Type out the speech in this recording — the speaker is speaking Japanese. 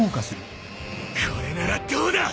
これならどうだ！